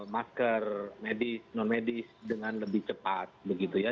masker medis non medis dengan lebih cepat begitu ya